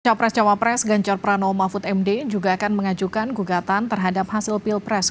capres cawapres ganjar prano mahfud md juga akan mengajukan gugatan terhadap hasil pilpres